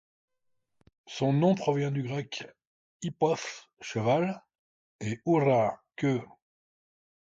Son nom provient du grec ἵππος — cheval et οὐρά — queue.